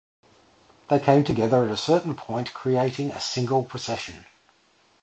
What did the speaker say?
They come together at a certain point creating a single procession.